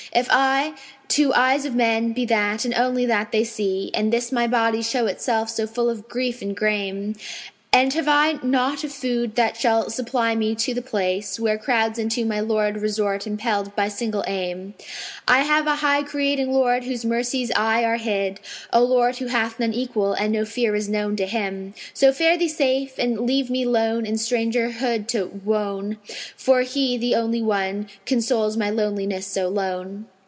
If I, to eyes of men be that and only that they see, * And this my body show itself so full of grief and grame, And have I naught of food that shall supply me to the place * Where crowds unto my Lord resort impelled by single aim, I have a high Creating Lord whose mercies aye are hid; * A Lord who hath none equal and no fear is known to Him. So fare thee safe and leave me lone in strangerhood to wone * For He, the only One, consoles my loneliness so lone.'